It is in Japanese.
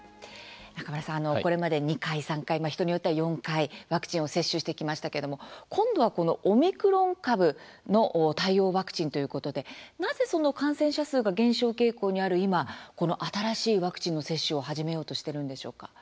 中村さん、これまで２回、３回人によっては４回、ワクチンを接種をしてきましたけれども今度はオミクロン株の対応ワクチンということでなぜ感染者数が減少傾向にある今新しいワクチンの接種を始めようとしているのでしょうか？